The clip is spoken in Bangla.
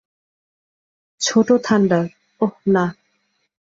ছোট্ট থান্ডার, ওহ না!